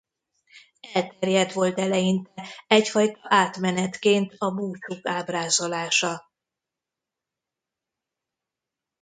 Elterjedt volt eleinte egyfajta átmenetként a búcsúk ábrázolása.